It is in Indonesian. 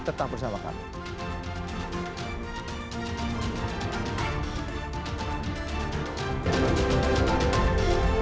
tetap bersama kami